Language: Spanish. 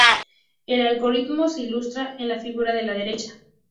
El algoritmo se ilustra en la figura de la derecha.